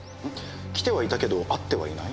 来てはいたけど会ってはいない？